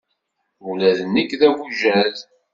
Ula d nekk d abujad.